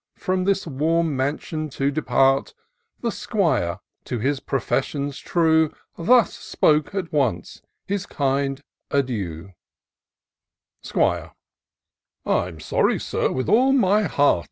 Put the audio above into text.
From this warm mansion to depart. The 'Squire, to his professions true. Thus spoke at once his kind adieu :— 'Squire. " I'm sorry. Sir, with all my heart.